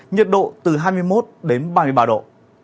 nhiệt độ từ hai mươi một đến ba mươi ba độ